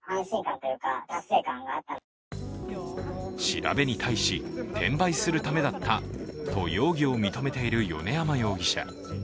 調べに対し、転売するためだったと容疑を認めている米山容疑者。